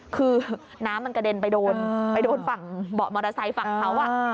คือน้ำมันกระเด็นไปโดนไปโดนฝั่งเบาะมอเตอร์ไซค์ฝั่งเขา